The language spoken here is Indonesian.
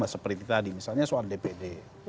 seperti tadi misalnya soal dpd